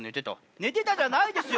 「寝てた」じゃないですよ！